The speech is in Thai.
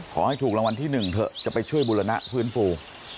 ขอให้ถูกรางวัลที่๑เถอะจะไปช่วยบุรณะฟื้นฟู